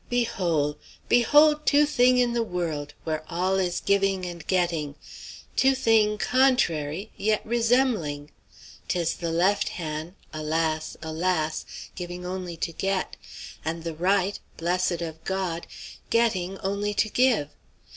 Behole! behole two thing' in the worl', where all is giving and getting, two thing', con_tra_ry, yet resem'ling! 'Tis the left han' alas, alas! giving only to get; and the right, blessed of God, getting only to give!